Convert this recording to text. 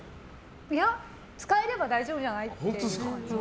いや、使えれば大丈夫じゃない？っていう。